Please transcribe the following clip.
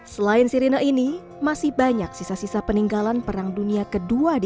selain sirine ini masih banyak sisa sisa peninggalan perang dunia ii di